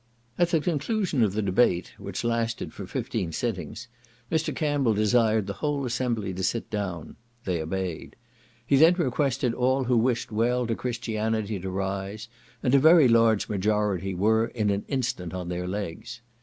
At the conclusion of the debate (which lasted for fifteen sittings) Mr. Campbell desired the whole assembly to sit down. They obeyed. He then requested all who wished well to Christianity to rise, and a very large majority were in an instant on their legs.